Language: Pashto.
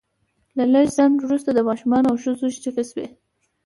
له لږ ځنډ وروسته د ماشومانو او ښځو چیغې شوې